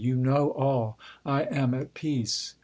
You know all! I am at peace.